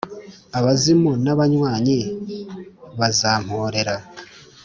abazimu n’abanywanyi bazamporera.